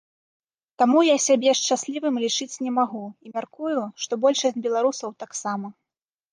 Таму я сябе шчаслівым лічыць не магу і мяркую, што большасць беларусаў таксама.